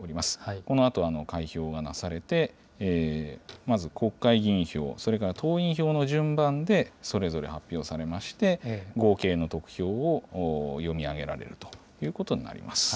このあと開票がなされて、まず国会議員票、それから党員票の順番でそれぞれ発表されまして、合計の得票を読み上げられるということになります。